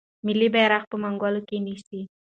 ملالۍ بیرغ په منګولو کې نیسي.